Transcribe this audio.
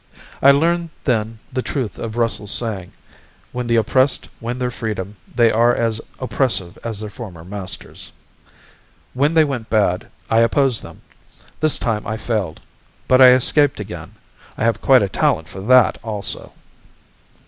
"I learned then the truth of Russell's saying: 'When the oppressed win their freedom they are as oppressive as their former masters.' When they went bad, I opposed them. This time I failed. But I escaped again. I have quite a talent for that also.